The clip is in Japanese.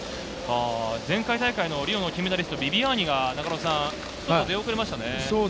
前回大会のリオの金メダリストが出遅れましたね。